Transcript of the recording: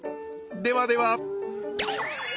ではでは！